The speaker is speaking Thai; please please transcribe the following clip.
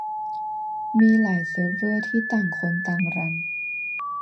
มีหลายเซิร์ฟเวอร์ที่ต่างคนต่างรัน